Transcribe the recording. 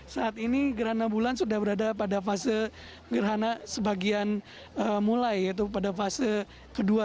saat ini gerhana bulan sudah berada pada fase gerhana sebagian mulai yaitu pada fase kedua